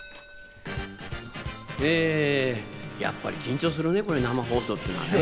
やっぱり緊張するね、生放送っていうのはね。